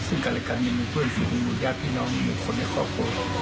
ซึ่งกันและกันยังมีเพื่อนฝีมือญาติพี่น้องมีบุคคลในครอบครัวเรา